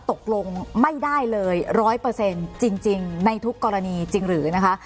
ตกลงไม่ได้เลย๑๐๐จริงในทุกกรณีจริงหรือนะคะ